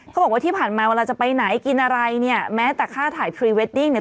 เขาบอกว่าที่ผ่านมาเวลาจะไปไหนกินอะไรเนี่ยแม้แต่ค่าถ่ายพรีเวดดิ้งเนี่ย